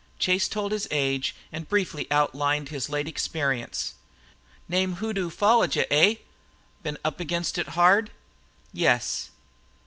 Chase told his age and briefly outlined his late experience. "Name 'Hoodoo' followed you, eh? Been up against it hard?" "Yes."